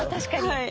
はい。